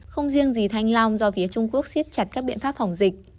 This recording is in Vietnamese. không riêng gì thanh long do phía trung quốc siết chặt các biện pháp phòng dịch